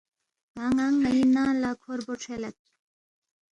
ن٘ا ننگ نن٘ی ننگ لہ کھوربو کھریلید